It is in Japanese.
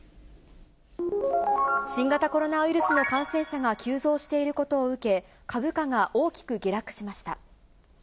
新型コロナウイルスの感染者が急増していることを受け、株価が大きく下落しました。